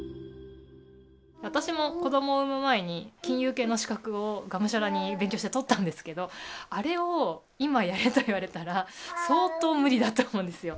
私も子どもを産む前に、金融系の資格をがむしゃらに勉強して取ったんですけど、あれを今やれと言われたら、相当無理だと思うんですよ。